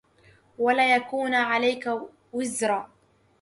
وَلَا يَكُونَ عَلَيْك وِزْرًا